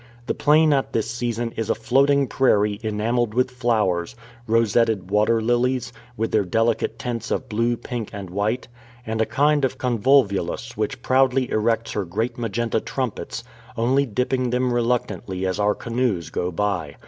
The plain at this season " is a floating prairie, enamelled with flowers ; rosetted water lilies, with their delicate tints of blue, pink, and white ; and a kind of convolvulus which proudly erects her great magenta trumpets, only dipping them reluctantly as our canoes go by.